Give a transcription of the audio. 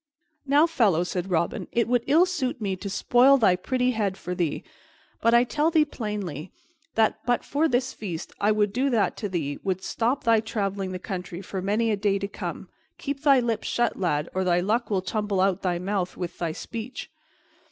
"Now, fellow," said Robin, "it would ill suit me to spoil thy pretty head for thee, but I tell thee plainly, that but for this feast I would do that to thee would stop thy traveling the country for many a day to come. Keep thy lips shut, lad, or thy luck will tumble out of thy mouth with thy speech!"